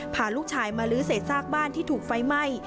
พาลูกชายมาลื้อเศษซากบ้านที่ถูกไฟไหม้